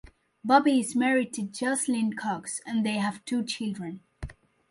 Bobby is married to Joscelyn Cox and they have two children.